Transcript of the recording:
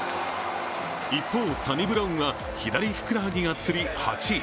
一方、サニブラウンは左ふくらはぎがつり、８位。